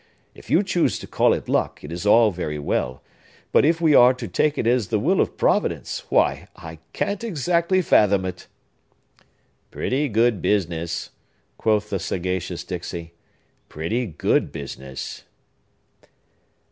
If you choose to call it luck, it is all very well; but if we are to take it as the will of Providence, why, I can't exactly fathom it!" "Pretty good business!" quoth the sagacious Dixey,—"pretty good business!"